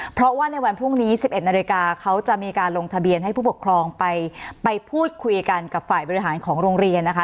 เพราะว่าในวันพรุ่งนี้๑๑นาฬิกาเขาจะมีการลงทะเบียนให้ผู้ปกครองไปพูดคุยกันกับฝ่ายบริหารของโรงเรียนนะคะ